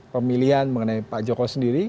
pemilihan mengenai pak joko sendiri